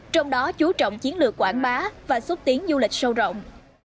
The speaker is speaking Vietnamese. trong đó chú trọng chiến lược quảng bá và xúc tiến du lịch sâu rộng